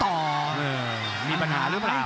เออมีปัญหารึเปล่า